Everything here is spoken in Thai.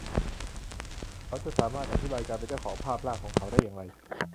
เขาสามารถอธิบายการเป็นเจ้าของภาพร่างของเขาได้อย่างไร